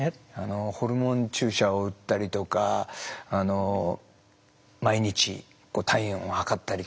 ホルモン注射を打ったりとか毎日体温を測ったりとか。